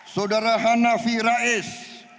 saudara hanafi rais